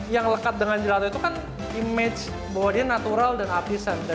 yang lekat dengan gelato itu kan image bahwa dia natural dan apisen